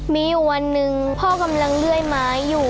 มีอยู่วันหนึ่งพ่อกำลังเลื่อยไม้อยู่